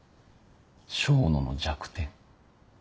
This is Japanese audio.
笙野の弱点。